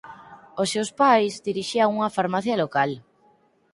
Os seus pais dirixían unha farmacia local.